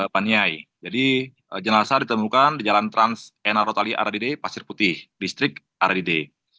paniai jadi jenazah ditemukan di jalan trans enarotali aradide pasir putih distrik aradide